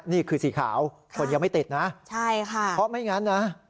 นี่คือสีขาวคนยังไม่ติดนะใช่ค่ะเพราะไม่งั้นนะ